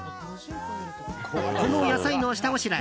この野菜の下ごしらえ